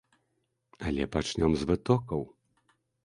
Але пачнём з вытокаў.